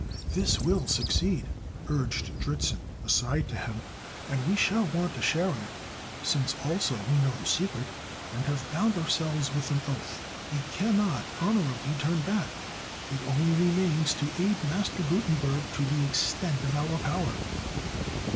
"This will succeed," urged Dritzhn aside to him, "and we shall want a share in it. Since also we know the secret, and have bound ourselves by an oath, we cannot honorably turn back. It only remains to aid Master Gutenberg to the extent of our power."